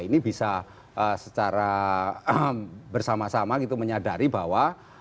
ini bisa secara bersama sama menyadari bahwa